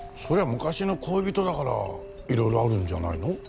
そりゃあ昔の恋人だからいろいろあるんじゃないの？